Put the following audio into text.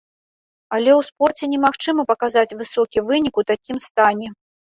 Але ў спорце немагчыма паказаць высокі вынік у такім стане.